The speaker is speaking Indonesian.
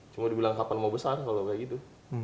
cuma dibilang kapan mau besar kalau kayak gitu